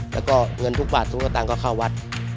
แล้วก็เงินทุกบาททุกสตางค์ก็เข้าวัด